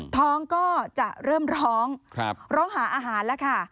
ท้องก็จะเริ่มร้องร้องหาอาหารแล้วค่ะ